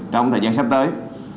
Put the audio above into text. trong thời gian sắp tới